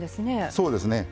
そうですね。